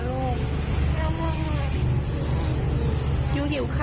จะได้ปะกินเร็วเด่าเฮ้ยลูก